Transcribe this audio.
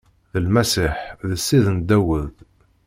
D Lmasiḥ, d Ssid n Dawed.